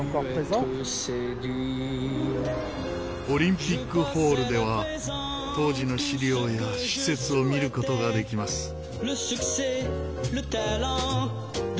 オリンピックホールでは当時の資料や施設を見る事ができます。